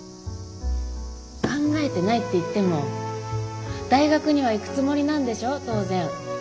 考えてないって言っても大学には行くつもりなんでしょ当然。